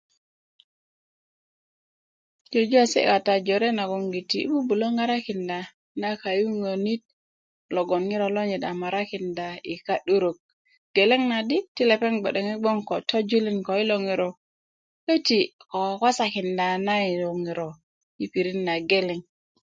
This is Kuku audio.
jujuwesi' kata nagoŋgiti yi' bubulö ŋarakinda kayuŋönit logoŋ ŋiro lonyit a morakinda yi ka'durök geleŋ na di ti lepeŋ gbe'deŋ gboŋ ko yilo ŋiro köti' ko kwakwasakinda na yilo ŋiro yi pirit na geleŋ